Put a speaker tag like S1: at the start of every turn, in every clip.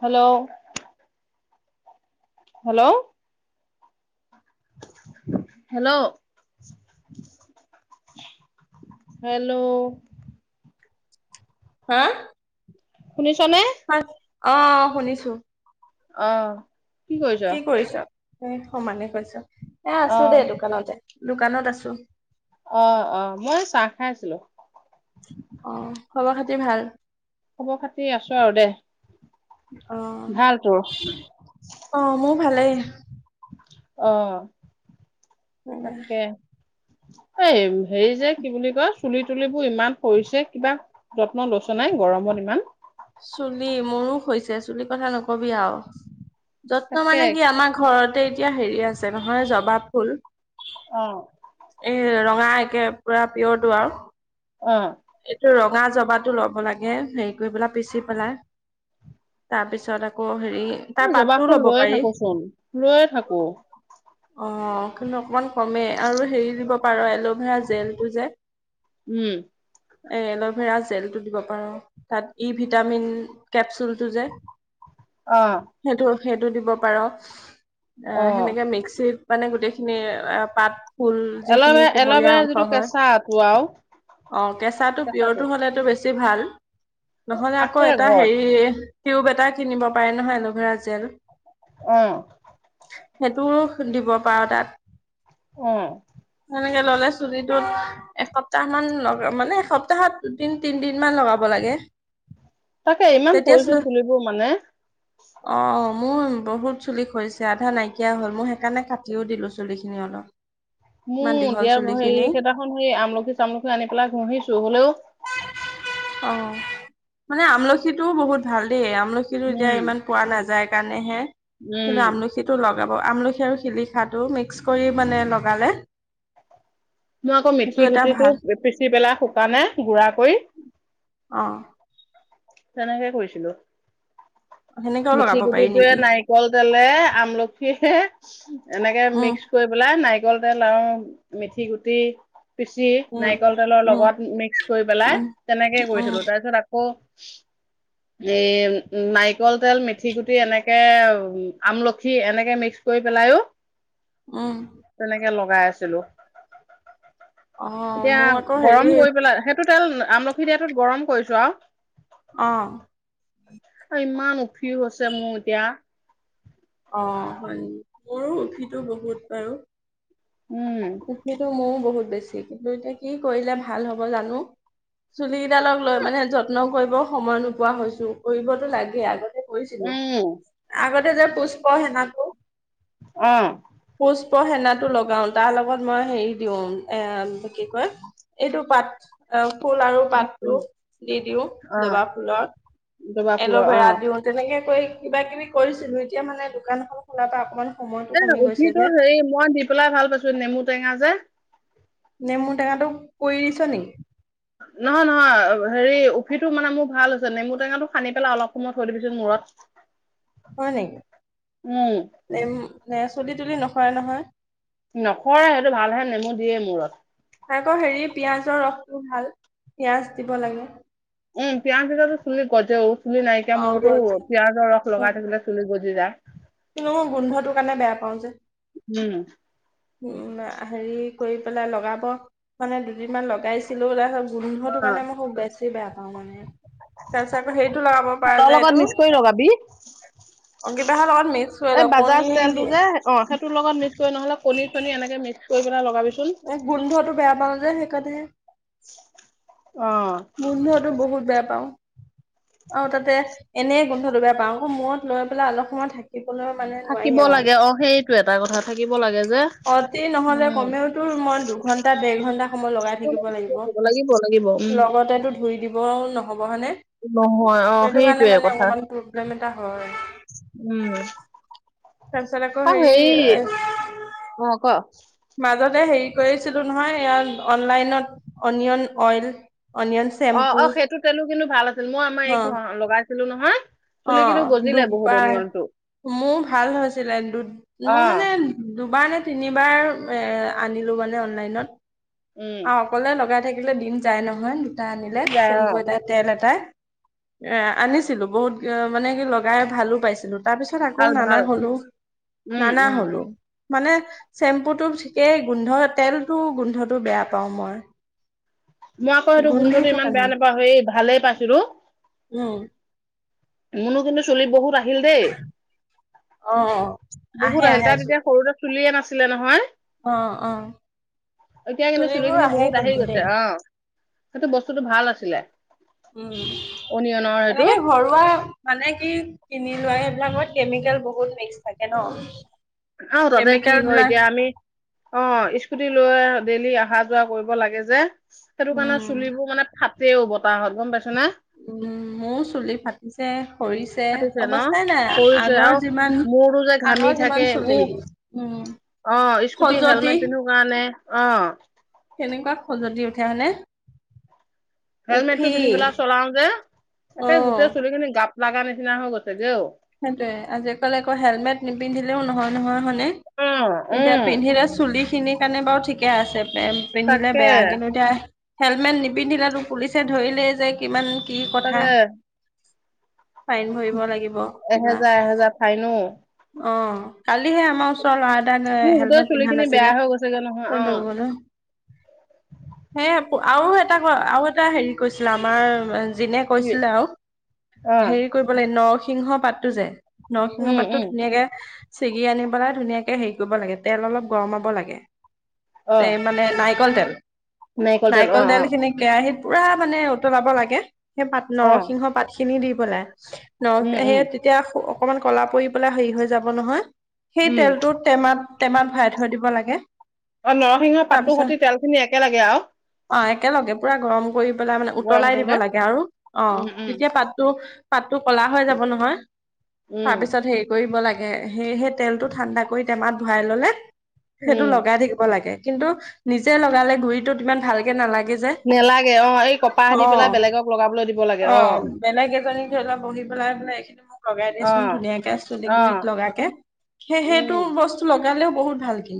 S1: Hello hello. Hello. Hello.
S2: হা।
S1: শুনিছনে?
S2: হয় অহ শুনিছো।
S1: অহ'।
S2: কি কৰিছ এ সমানে কৈছ এ আছো
S1: অ',
S2: দেই দোকানতে। দোকানত আছোঁ।
S1: অ', অ', মই চাহ খাই আছিলো।
S2: অ, খবৰ খাতি ভাল?
S1: খবৰ খাতি আছোঁ আৰু দে।
S2: অ',
S1: ভাল তোৰ?
S2: অ', মোৰ ভালেই।
S1: অহ'
S2: এ
S1: তাকে। এই হেৰি যে কি বুলি কয় চুলি তুলিবোৰ ইমান পৰিছে কিবা যত্ন লৈছ নাই গৰমত মান
S2: চুলি, মোৰো হৈছে চুলি কথা নক নকবি আৰু যত্ন
S1: তাকে
S2: মানে কি আমাৰ ঘৰত এ এতিয়া হেৰী আছে নহয় জবা ফুল।
S1: অ',
S2: না একে পুৰা পিয়ৰটো আৰু।
S1: অ'।
S2: এইটো ৰঙা জবা। কাতো ল'ব লাগে হেৰি কৰি পেলাই পিচি পেলাই তাৰ পিছত আকৌ হ ৰি তাৰ
S1: জবা
S2: পাতটো
S1: ফুল
S2: ল'ব
S1: লৈয়ে
S2: পাৰি অ,
S1: থাকোচোন, লৈয়ে থাকো
S2: [unintelligible] অকমান কমে, আৰু হেৰি দিব পাৰ, এলভেৰা জেলটো যে।
S1: উম,
S2: এ এল'ভেৰা জেলটো দিব পাৰ, তাত ই ভিটামিন কেপচুল। যে
S1: অ',
S2: সেইটো সেইটো দিব পাৰ। অ,
S1: অ'।
S2: সেনেকে মিক্সিত মানে গোটেইখিনি পাত ফুল যিখিনি
S1: এল'ভে
S2: কুমলীয়া
S1: এল'ভেৰা যিটো
S2: অংশ হয়।
S1: কেঁচাটো আৰু
S2: অ কেঁচাটো পিয়ৰটো হলেতটো বেছি ভাল নহলে আকৌ
S1: আছে
S2: এটা
S1: ঘৰত
S2: হেৰি কিউব এটা কিনিব পাৰে নহয় এ লোভেৰা জেল
S1: অ'।
S2: সেইটোও দিব পাৰো তাত
S1: অ',
S2: সেনেকে ললে চুলি ত এসপ্তাহ মান লগা মানে এসপ্তাহত দুদিন তিন দিন মান লগাব লাগে।
S1: তাকে ইমান
S2: তেতিয়া
S1: কৰিছে
S2: চুলি
S1: চুলিবোৰ মানে।
S2: অ মোৰ বহুত চুলি খছে আধা নাইকিয়া হল মই সেইকাৰণে কাটিও দিলো চুলি খিনি অলপ। ইমান
S1: মোৰ
S2: দীঘল
S1: দিয়া
S2: চুলি খিনি
S1: হেৰি কেইদিনাখন হেয় আমলখি চামলখি আনি। ক'লা ঘহিছো হ'লেও
S2: অ, মানে আমলখিটোও বহুত ভাল দেই আমলখি এতিয়া
S1: উম,
S2: ইমান পোৱা নাযায়। সেই কাৰণে হে কিন্তু
S1: উম,
S2: আমলখিটো লগ আমলখি আৰু শিলিখাটো মিক্স কৰি মানে লগালে
S1: মই আকৌ
S2: সেইটো
S1: মিথি
S2: এটা
S1: গুটিটো
S2: ভাল
S1: পিচি পেলাই শুকানে গুড়া কৰি
S2: অ
S1: তেনেকে কৈছিলো
S2: হ
S1: মিঠি গুটিটোয়ে নাৰিকল তেলে আমলখি এনেকে
S2: উম
S1: মিক্স কৰি পেলাই নাৰ নাৰিকল কল তেল আৰু মিথি গুটি পিচি
S2: উম
S1: নাৰিকল তেলৰ
S2: উম
S1: লগত মিক্স কৰি
S2: উম
S1: পেলাই, তেনেকেই
S2: উম
S1: কৰিছিলো তাৰ পিছত আকৌ। এই নাৰিকল তেল মিথি গুটি এনেকে আমলখি এনেকে মিক্স কৰি পেলাইয়ো
S2: উম
S1: লগাই আছিলো
S2: অ
S1: এতিয়া
S2: মোৰ আকৌ হেৰি
S1: গৰম কৰি পেলাইেই টো তেল আমলখি দিয়া তোত গৰম কৰিছো আৰু [unintelligible]
S2: অ
S1: অ ইমান উফী হৈছে মোৰ এতিয়া
S2: অ হয় মোৰো উফি বহুত বাৰু
S1: উম
S2: উফিটো মোৰ বহুত বেছি কিন্তু এতিয়া কি কৰিলে ভাল হ'ব জানো চুলি কেইডালক লৈ মানে যত্ন কৰিব সময় নোপোৱা হৈছো কৰিবতো লাগে আগত কৰিছিলো
S1: উম
S2: আগতে যে পুষ্প সেনাতো
S1: অ
S2: পুষ্প সেনাটো লগাও তাৰ লগত মই হেৰি দিওঁ এ কি কয় এইটো পাত অ ফুল আৰু
S1: উম
S2: পাতটো
S1: উম
S2: দি দিওঁ
S1: অ
S2: জবা ফুলৰ
S1: জবা ফুলৰ অ
S2: এল'ভেৰা দিও তেনেকে কৰি কিবা কিবি কৰিছিলো এতিয়া মানে দোকান এখন খোলাৰ পৰা অকমান সময়টো
S1: এ
S2: কমি গৈছে
S1: উফিটো
S2: যে
S1: হেৰি মই দি পেলাই ভাল পাইছোঁ, এ নেমু টেঙা যে
S2: নেমু টেঙাটো কৰি দিছ নেকি?
S1: নহয় নহয়, হেৰি উফিটো মানে মোৰ ভাল হৈছে, নেমু টেঙাটো সানি পেলাই অলপ সময় থৈ দিবিচোন মূৰত ৰত।
S2: হয় নেকি, নে-নে চুলি তুলি নসৰে নহয়?
S1: নসৰে, সেইটো ভালহে, নেমু দিয়ে মূৰত।
S2: আকৌ হেৰি পিয়াজৰ ভাল, পিয়াঁজ দিব লাগে।
S1: উম, পিয়াজ দিলেতো চুলি গজেও, চুলি নাইকিয়া
S2: অ
S1: মূৰটো
S2: গল যে।
S1: পিয়াজৰ ৰস
S2: অ,
S1: লগাই থাকিলে চুলি গজ জি যাই।
S2: কিন্তু মই গোন্ধটোৰ কাৰণে বেয়া পাওঁ যে।
S1: উম।
S2: উম, হেৰি কৰি পেলাই লগাব, মানে দুদিনমান লগাইছিলোঁ [unintelligible] গোন্ধটোৰ কাৰণে মই খুব বেছি বেয়া পাওঁ মানে। তাৰপিছত আকৌ হেৰিটো লগাব পৰা
S1: চাহৰ
S2: যায়
S1: লগত
S2: এইটো,
S1: মিক্স কৰি লগাবি
S2: অ' অংকিতাহঁতৰ ঘৰত মিক
S1: এই বাজাজ তেলটো যে, অ', সেইটোৰ লগত মিক্স কৰি নহ'লে কণী চণী এনেকে মিক্স কৰি পেলাই লগাবি চোন।
S2: এই গোন্ধটো বেয়া পাওঁ যে, সেইকাৰণেহে।
S1: [inaudible]
S2: গোন্ধতো বহুত বেয়া পাওঁ। অ', তাতে এনেই গোন্ধটো বেয়া পাওঁ, আকৌ মূৰত লৈ পেলাই অলপ সময় থাকি ব মানে
S1: থাকিব
S2: নোৱাৰি আৰু,
S1: লাগে অ সেইটো এটা কথা থাকিব লাগে যে
S2: অতি নহ'লেও
S1: উম
S2: কমেও তোৰ দুঘণ্টা-দেৰঘণ্টা সময় লগাই থাকিব লাগিব,
S1: উম
S2: লগতেতো ধুই বও নহ'ব, হয়নে?
S1: নহয় অ
S2: সেইটোকাৰণে
S1: সেইটোয়ে
S2: মানে
S1: কথা
S2: অকমান প্ৰব্লেম এটা হয়।
S1: উম
S2: তাৰপিছত আকৌ হেৰি এ
S1: অ ক
S2: মাজতে হেৰি কৰিছিলো নহয় ইয়াত অনলাইনত অনিয়ন অইল অনিয়ন
S1: অ
S2: চেম্পু
S1: অ সেইটো তেলো কিন্তু ভাল আছিল মই আমাৰ
S2: অ
S1: এই লগাইছিলো নহয়
S2: অ
S1: চুলি কিন্তু গজিলে বহুত
S2: দুবাৰ
S1: অনিয়নটো
S2: মোৰ ভাল হৈছিলে দু
S1: অ
S2: মই মানে দুবাৰ নে
S1: উম
S2: [unintelligible] থাকিলে দিম যায় নহয় দুটা আনিলে
S1: যায় অ
S2: চেম্পু এটা তেল এটা এ আনিছিলো বহুত মানে কি লগাই ভালো পাইছিলো তাৰপিছত আকৌ
S1: ভাল ভাল
S2: নানা হলো
S1: উম
S2: নানা
S1: উম
S2: হলো মানে চেম্পুটো ঠিকেই গোন্ধ তেলটো গোন্ধটো বেয়া পাওঁ মই
S1: মই আকৌ এইেইটো গোন্ধটো ইমান বেয়া নাপাওঁ হ ভালেই পাইছো ৰো
S2: ন
S1: মনো কিন্তু চলি বহুত আ আহিল দেই
S2: অ
S1: বহুত
S2: আহে
S1: আহিল
S2: আহে
S1: তা তেতিয়া সৰুতে চুলিয়ে নাছিলে নহয় [unintelligible]
S2: অ, অ',
S1: এতিয়া কিন্তু
S2: চুলিবোৰ
S1: চুলিখিনি
S2: আহে
S1: বহুত আহি
S2: কিন্তু
S1: গৈছে,
S2: দেই
S1: অ' সেইটো বস্তুটো ভাল আছিলে।
S2: উ'ম,
S1: অনিয়নৰ সেইটো
S2: এনেকে ঘৰুৱা মানে কি কিনি? প্ৰায়ে এইবিলাকত কেমিকেল বহুত মিক্স থাকে ন।
S1: আৰু তাতে
S2: কেমিকেল
S1: কি হয়,
S2: বিলাক
S1: এতিয়া আমি অ', স্কুটি লৈ ডেইলি অহা যোৱা কৰিব লাগে যে সেইটো কাৰণে
S2: উম
S1: চুলিবোৰ মানে ফাটেও বতাহত গম পাইছ না।
S2: উ'ম মোৰ চুলি ফাটিছে। সৰিছে
S1: ফাটিছে ন
S2: অৱস্থাই নাই
S1: পৰিছে আৰু
S2: আগৰ যিমান
S1: মূৰটো যে ঘামি
S2: আগৰ
S1: থাকে
S2: যিমান
S1: মোৰ
S2: চুলি উম।
S1: অ', স্কুটি
S2: খজতি
S1: হেলমেট পিন্ধো কাৰণে অ'।
S2: কেনেকুৱা খজুতি উঠে হয়নে।
S1: হেলমেটটো
S2: উফি
S1: পিন্ধি পেলাই চলাও যে
S2: অ
S1: একে গোটেই চুলিখিনি গাপ লগা নিচিনা হৈ গৈছেগে অ।
S2: সেইটোয়ে আজিকালি আকৌ হেলমেট নিপিন্ধিলেও নহয় নহয়।
S1: উম
S2: এতিয়া
S1: উম
S2: পিন্ধিলে চুলি খিনিৰ কাৰণে বাৰু ঠিকে আছে। পিন্ধিলে
S1: তাকে
S2: বেয়া কিন্তু এতিয়া হেলমেট নিপিন্ধিলেতো পুলিচে ধৰিলেই যে কিমান কি কথা
S1: তাকে
S2: ফাইন ভৰিব লাগিব। কিবা
S1: এহেজাৰ, এহেজাৰ ফাইন অ'।
S2: অ, কালিহে আমাৰ ওচৰ ল'ৰা এটাক
S1: মোৰ গোটেই
S2: হেলমেট
S1: চুলি
S2: পিন্ধা
S1: খিনি বেয়া
S2: নাছিলে।
S1: হৈ গৈছেগে নহয় অ
S2: সেয়া আৰু এটা ক আৰু এটা হেৰি কৈছিলে আমাৰ যিনে কৈছিলে আৰু
S1: অ
S2: হেৰি কৰিব লাগে নৰসিংহ পাতটো যে নৰসিংহ
S1: উম
S2: পাততো
S1: উম
S2: ধুনীয়াকে ছিগি আনি পেলাই ধুনীয়াকে হেৰি কৰিব লাগে তেল অলপ গৰমাব লাগে।
S1: অ।
S2: এই মানে নাই নাৰিকল তেল,
S1: তেল অ
S2: নাৰিকল
S1: অ
S2: তেলখিনি কেৰাহীত পুৰা মানে উতলাব লাগে সেই পাত
S1: অ
S2: নৰসিংহ পাত খিনি দি পেলাই নৰ
S1: উম উম
S2: সেই যেতিয়া অকণমান ক'লা পৰি পেলাই হেৰি হৈ যাব নহয় সেই
S1: উম
S2: তেলটো টেমাত টেমাত ভৰাই থৈ দিব লাগে।
S1: অ'নৰসিংহৰ
S2: তাৰ
S1: পাতটোৰ
S2: পিছত
S1: স'তে তেলখিনি একে লগে
S2: অ
S1: আৰু।
S2: একেলগে পুৰা গৰম কৰি পেলাই মানে উতলাই দিব লাগে আৰু অ'
S1: উম উম
S2: তেতিয়া পাতটো পাততো কলা হৈ যাব ন।
S1: উম
S2: তাৰপিছত হেৰি কৰিব লাগে, সেইয়েহে তেলটো ঠাণ্ডা কৰি টেমাত ভৰাই ললে। সেইটো
S1: উম
S2: লগাই থাকিব লাগে কিন্তু নিজে লগালে গুৰিটোত ইমান ভালকে নালাগে।
S1: নেলাগে অ এই কপাহ
S2: অ,
S1: দি পেলাই বেলেগক লগাবলৈ দিব লাগে
S2: অ,
S1: অ
S2: বেলেগ এজনী ধৰিলোৱা বহি লগাই পেলাই এইখিনি মোক লগাই
S1: অ
S2: দিয়চোন ধুনীয়াকে চুলি
S1: অ
S2: গুৰিত লগাকে, সেই সেইটো
S1: উম
S2: বস্তু লগা গালেও বহুত ভাল কি?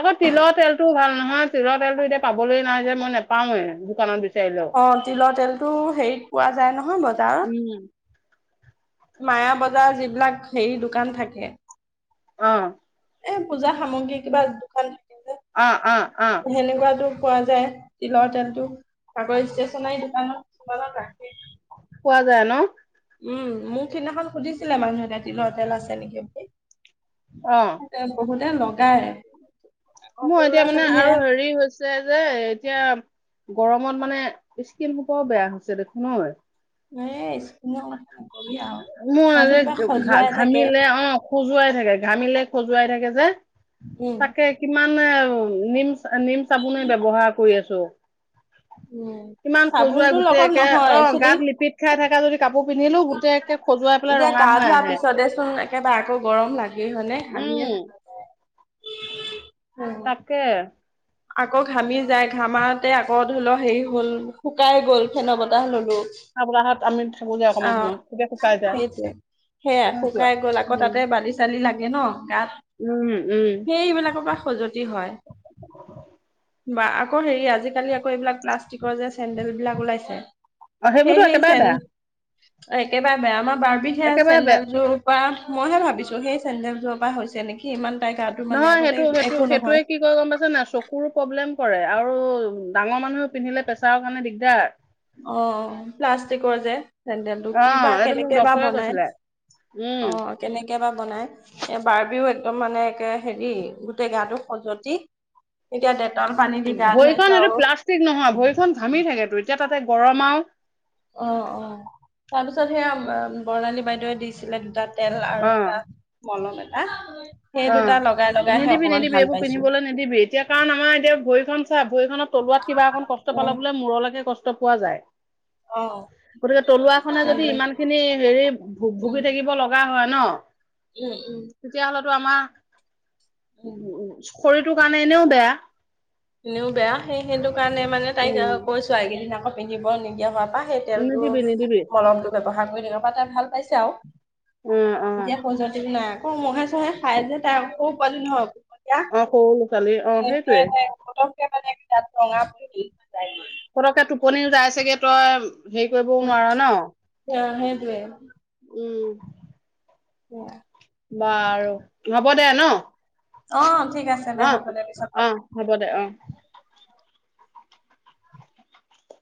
S1: আকৌ তিলৰ তেলতটোও ভাল নহয় তিলৰ তেলতো এতিয়া পাবলৈ নাই যে মই নেপাওৱে দোকানত বিচাৰি।
S2: অ', তিলৰ তেলটো হেৰিত পোৱা যায় নহয়
S1: উম।
S2: বজাৰত। মায়া বজাৰৰ যিবিলাক হেৰি দোকান থাকে।
S1: অ'।
S2: এ পূজা সামগ্ৰী কিবা দোকান থাকে যে
S1: অ, অ, অ।
S2: সেনেকুৱাতো পোৱা যায় তিলৰ তেলটো আক ষ্টেচনাৰী দোকানত কিছুমানত ৰাখি
S1: পোৱা যায় ন।
S2: উম, মোক সিদিনাখন সুধিছিলে মানুহ এতাই তিলৰ তেল আছে নেকি বুলি।
S1: অ'।
S2: বহুতে লগায়।
S1: মোৰ এতিয়া মানে আৰু হেৰি হৈছে যে এতিয়া গৰমত মানে স্কিনটো বৰ বেয়া হৈছে দেখোন নহয়।
S2: এ স্কিনৰ কথা। নকবি আৰু
S1: মোৰ
S2: তাতো কিবা
S1: যে ঘা
S2: খজুৱাই থাকে
S1: ঘামিলে অ' খজুৱাই থাকে ঘামিলে খজুৱাই থাকে যে,
S2: উম
S1: তাকে কিমান মানে নিম নিম চাবোনে ব্যৱহাৰ কৰি আছো।
S2: উম
S1: ইমান খজুৱাই
S2: চাবোনটোৰ
S1: গোটেই
S2: লগত
S1: একে
S2: নহয়
S1: অ
S2: একচুৱেলি
S1: গাত লিপিত খাই থাকা লৈকে যদি কাপোৰ। পিন্ধিলো গোট একে খজুৱাই পেলাই
S2: এতিয়া
S1: ৰঙা
S2: গা
S1: হৈ
S2: ধোৱাৰ
S1: আহে
S2: পিছতেচোন একেবাৰে আকৌ গৰম লাগেই হয়নে
S1: উম।
S2: ঘামিয়ে
S1: হয়।
S2: [unintelligible]
S1: তাকে।
S2: আকৌ ঘামি যাই, ঘামাতে আকৌ ধৰি ল হেৰি হল শুকাই গল ফেন বতাহ ললো।
S1: খাত গাঠত আমি থাকো
S2: অ
S1: অকমান সময় তেতিয়া শুকাই যায়।
S2: সেইটোৱে সেয়া
S1: সেনেকুৱা।
S2: শুকাই গ'ল আকৌ
S1: উম
S2: তাতে বালি চালি লাগে। লাগে ন গাত
S1: উম উম।
S2: সেইবিলাকৰ পৰা খজুৱতি হয়। বা আকৌ হেৰি আজিকালি আকৌ এইবিলাক প্লাষ্টিকৰ যে চেডেল বিলাক ওলাইছে।
S1: অ
S2: সেই
S1: সেইবোৰতো
S2: সেই
S1: একেবাৰে
S2: চেন
S1: বেয়া।
S2: একেবাৰে বেয়া আমাৰ বাৰ বিষে
S1: একেবাৰে বেয়া।
S2: চেন্দেলযোৰ পৰা। মইহে ভাবিছোঁ সেই চেণ্ডেলযোৰৰ পৰা হৈছে নেকি ইমান তাই গাটো মানে
S1: নহয়
S2: আগতে
S1: সেইটো সেইটো
S2: একো
S1: সেইটোয়ে
S2: নহয়
S1: কি কয় গম পাইছ না চ চকুৰো প্ৰব্লেম কৰে, আৰু ডাঙৰ মানুহে পিন্ধিলে প্ৰেছাৰৰ কাৰণে দিগদাৰ।
S2: অ প্লাষ্টিকৰ যে। চেডেল টো
S1: অ
S2: কিবা
S1: এইটো মোক
S2: কেনেকে বা
S1: ডক্তৰে
S2: বনাই
S1: কৈছিলে। উম।
S2: অ কেনেকে বা। বনাই এ বাৰ্বিও একদম মানে একে হেৰি গোটেই গাটো খজতি। এতিয়া দে
S1: ভৈখন এইটো প্লাষ্টিক নহয় ভৈখন ঘামি থাকেতো এতিয়া তাতে গৰম আৰুও।
S2: অ, অ তাৰপিছত সেয়া বৰ্ণালী বাইদেৱে দিছিলে দু তাত। তেল আৰু
S1: অ।
S2: এটা মলম এটা সেই দুটা লগাই।
S1: অ'
S2: লগাইহে
S1: নিদিবি
S2: অকমান
S1: নিদিবি
S2: ভাল
S1: এইবোৰ
S2: পাইছো
S1: পিন্ধিবলৈ নিদিবি এতিয়া কাৰণ আমাৰ এতিয়া ভৰিখন চা ভৰিখনত তলোৱাত কিবা এখন কষ্ট। কষ্ট
S2: উ
S1: পালে বোলে মূৰলৈকে কষ্ট পোৱা যায়।
S2: অ
S1: গতিকে তলুৱাখনে যদি
S2: সেইটোৱে
S1: ইমান খিনি হেৰি ভ
S2: উম
S1: ভুগি থাকিব লগা হয়। ন।
S2: উম উম।
S1: তেতিয়াহ'লেতো আমাৰ
S2: উম
S1: উ শৰীৰটোৰ কাৰণে এনেও বেয়া।
S2: এনেও বেয়া সেই সেইটো কাৰণে মানে তাইক
S1: উম
S2: কৈছো। আইকেইদিন আকৌ পিন্ধিব নিদিয়া হোৱ। বা সেই তেলটো
S1: নিদিবি নিদিবি
S2: মলমটো ব্যৱহাৰ কৰি তেনেকুৱা তাই তাই ভাল পাইছে আৰু।
S1: অ' অ'
S2: এতিয়া খজতিটো নাই আকৌ মহে চহে খাই যে তাৰ আকৌ সৰু পোৱালি নহয়।
S1: অ সৰু ল'ৰা ছোৱালীৰ অ
S2: এতিয়া
S1: সেইটোৱে।
S2: [unintelligible]
S1: পতকে টোপনিও যাই চগে তই। হেৰি কৰিবও
S2: উম।
S1: নোৱাৰো ন
S2: অ সেইটোৱে।
S1: উম।
S2: বেয়া।
S1: বাৰু হ'ব দে ন।
S2: অ', ঠিক আছে দে
S1: অ'
S2: হ'ব দে পিছত
S1: অ'
S2: কথা
S1: হ'ব দে অ'